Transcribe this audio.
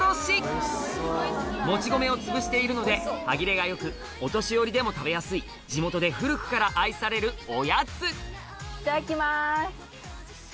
もち米をつぶしているので歯切れが良くお年寄りでも食べやすい地元で古くから愛されるおやついただきます。